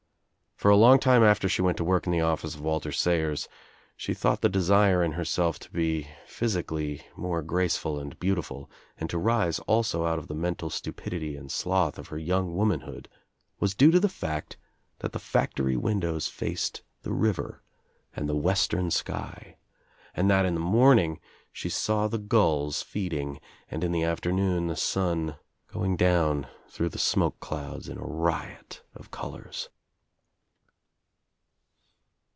For a long time after she went to work In the office of Walter Sayers she thought the desire In herself to be physically more OUT OF NOWHERE INTO NOTHING 219 graceful and beautiful and to rise also out of the mental stupidity and sloth of her young womanhood was due to the fact that the factory windows faced the river and the western sky, and that in the morn ing she saw the gulls feeding and in the afternoon the sun going down through the smoke clouds in a riot of colors.